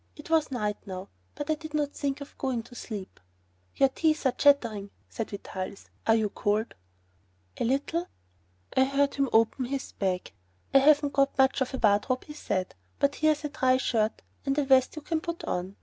It was night now, but I did not think of going to sleep. "Your teeth are chattering," said Vitalis; "are you cold?" "A little." I heard him open his bag. "I haven't got much of a wardrobe," he said, "but here's a dry shirt and a vest you can put on.